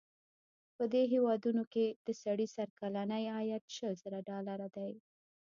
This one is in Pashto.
په دې هېوادونو کې د سړي سر کلنی عاید شل زره ډالره دی.